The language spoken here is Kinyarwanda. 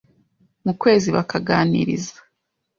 mu kwezi bakaganiriza